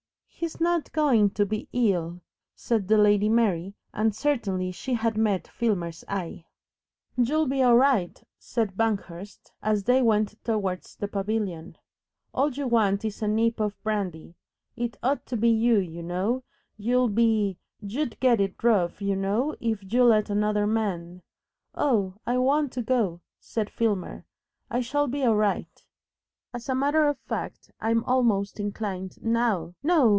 "He's not going to be ill," said the Lady Mary, and certainly she had met Filmer's eye. "YOU'LL be all right," said Banghurst, as they went towards the pavilion. "All you want is a nip of brandy. It ought to be you, you know. You'll be you'd get it rough, you know, if you let another man " "Oh, I want to go," said Filmer. "I shall be all right. As a matter of fact I'm almost inclined NOW . No!